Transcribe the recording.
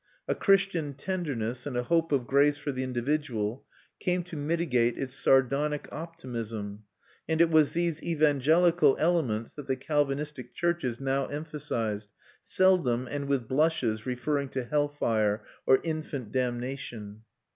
A Christian tenderness, and a hope of grace for the individual, came to mitigate its sardonic optimism; and it was these evangelical elements that the Calvinistic churches now emphasised, seldom and with blushes referring to hell fire or infant damnation.